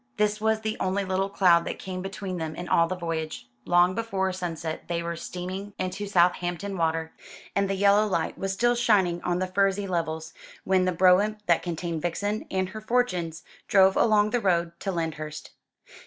This was the only little cloud that came between them in all the voyage. Long before sunset they were steaming into Southampton Water, and the yellow light was still shining on the furzy levels, when the brougham that contained Vixen and her fortunes drove along the road to Lyndhurst.